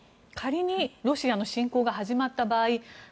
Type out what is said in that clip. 仮にロシアの侵攻が始まった場合